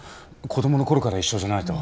子供の頃から一緒じゃないと。